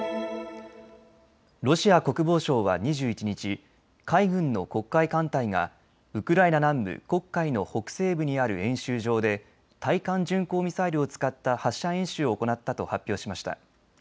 ロシア国防省は２１日、海軍の黒海艦隊がウクライナ南部黒海の北西部にある演習場で対艦巡航ミサイルを使った発射演習を行ったと発表しました。